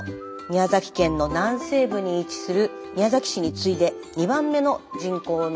宮崎県の南西部に位置する宮崎市に次いで２番目の人口の町です。